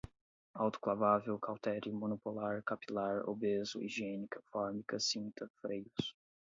autoclavável, cautério, monopolar, capilar, obeso, higiênica, fórmica, cinta, freios